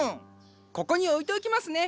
ここに置いておきますね。